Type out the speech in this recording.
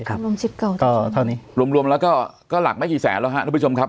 ชมรมสิทธิ์เก่ารวมแล้วก็หลักไม่กี่แสนแล้วฮะท่านผู้ชมครับ